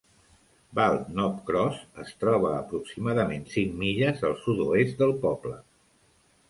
Bald Knob Cross es troba a aproximadament cinc milles al sud-oest del poble.